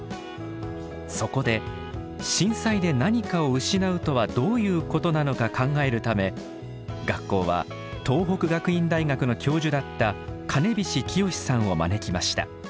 そこで震災で何かを失うとはどういうことなのか考えるため学校は東北学院大学の教授だった金菱清さんを招きました。